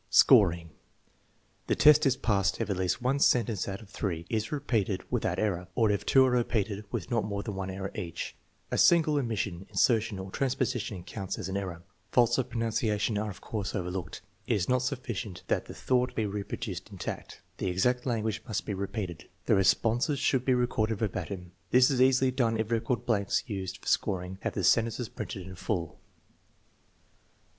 Scoring. The test is passed if at least one sentence out of three is repeated without error, or if two are repeated with not more than one error each. A single omission, insertion, or transposition counts as an error. Faults of pronunciation are of course overlooked. It is not sufficient that the thought be reproduced intact; the exact language must be repeated. The responses should be recorded ver batim. This is easily done if record blanks used for scoring have the sentences printed in full.